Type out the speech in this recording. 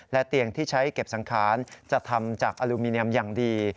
เตียงที่ใช้เก็บสังขารจะทำจากอลูมิเนียมอย่างดี